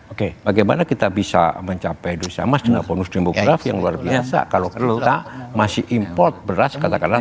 oke bagaimana kita bisa mencapai dusa emas dengan bonus demografi yang luar biasa kalau kita masih import beras katakanlah